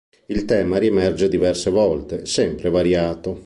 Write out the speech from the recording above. Il tema riemerge diverse volte, sempre variato.